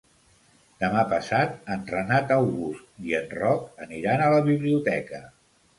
Demà passat en Renat August i en Roc aniran a la biblioteca.